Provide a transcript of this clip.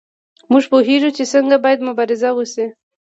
موږ پوهیږو چې څنګه باید مبارزه وشي.